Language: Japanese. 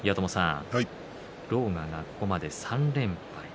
狼雅はここまで３連敗。